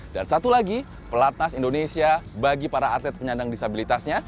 dan satu lagi pelatnas indonesia bagi para atlet penyandang disabilitasnya